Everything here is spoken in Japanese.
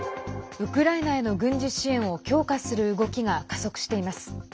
ウクライナへの軍事支援を強化する動きが加速しています。